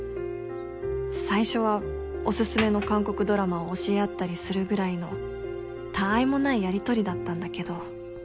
最初はおすすめの韓国ドラマを教え合ったりするぐらいの他愛もないやりとりだったんだけど。